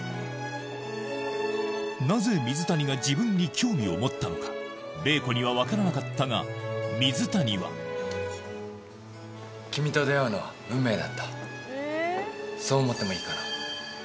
なぜ水谷が自分に興味を持ったのか玲子には分からなかったが水谷はそう思ってもいいかな？